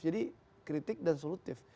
jadi kritik dan solutif